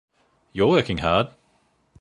You’re working hard.